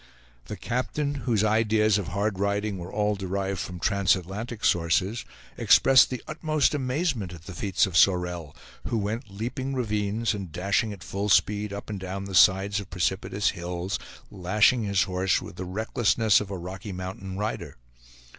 The captain, whose ideas of hard riding were all derived from transatlantic sources, expressed the utmost amazement at the feats of Sorel, who went leaping ravines, and dashing at full speed up and down the sides of precipitous hills, lashing his horse with the recklessness of a Rocky Mountain rider.